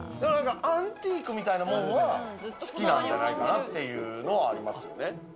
アンティークみたいなもんは好きなんじゃないかなっていうのありますよね。